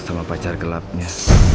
sama pacar gelapnya